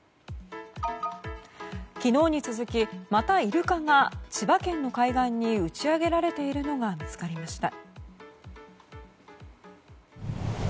昨日に続きまたイルカが千葉県の海岸に打ち上げられているのが見つかりました。